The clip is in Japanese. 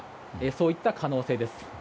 そういった可能性です。